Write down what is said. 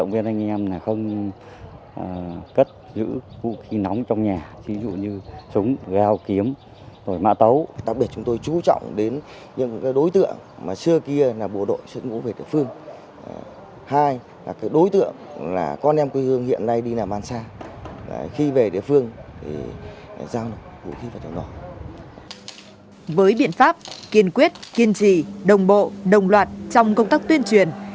với biện pháp kiên quyết kiên trì đồng bộ đồng loạt trong công tác tuyên truyền